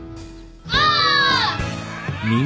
おう。